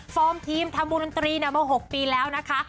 ฟอร์มทีมทำบุญตรีนับมา๖ปีแล้วนะคะ